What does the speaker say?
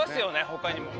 他にも。